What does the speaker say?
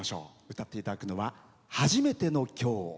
歌っていただくのは「初めての今日を」。